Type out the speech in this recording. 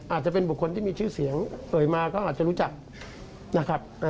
อาจจะเป็นบุคคลที่มีชื่อเสียงเอ่ยมาก็อาจจะรู้จักนะครับ